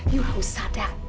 you harus sadar